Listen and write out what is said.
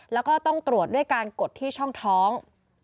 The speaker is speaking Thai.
แล้วก็ต้องตรวจด้วยการกดที่ช่องท้อง